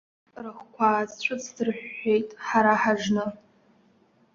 Рыхқәа ааҵәыҵдырҳәҳәеит, ҳара ҳажны.